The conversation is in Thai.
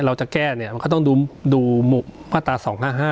เราจะแก้เนี้ยมันก็ต้องดูดูหมู่ว่าตราสองห้าห้า